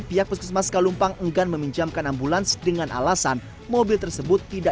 pihak puskesmas kalumpang enggan meminjamkan ambulans dengan alasan mobil tersebut tidak